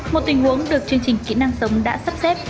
một tình huống được chương trình kỹ năng sống đã sắp xếp